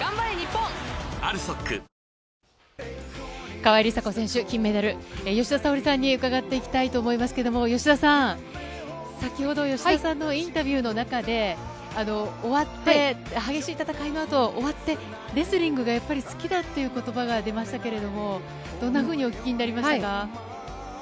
川井梨紗子選手金メダル、吉田沙保里さんに伺っていきたいと思いますけれども、吉田さん、先ほど、吉田さんのインタビューの中で、終わって、激しい戦いのあと、終わって、レスリングがやっぱり好きだっていうことばが出ましたけれども、どんなふうにお聞きになりましたか。